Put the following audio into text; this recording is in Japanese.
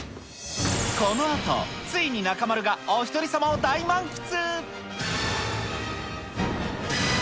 このあと、ついに中丸がおひとり様を大満喫。